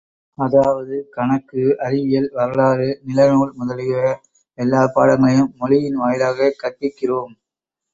அதாவது, கணக்கு, அறிவியல், வரலாறு, நில நூல் முதலிய எல்லாப் பாடங்களையும் மொழியின் வாயிலாகவே கற்பிக்கிறோம்.